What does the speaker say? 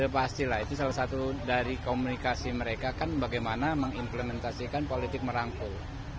pastilah itu salah satu dari komunikasi mereka kan bagaimana mengimplementasikan politik merangkul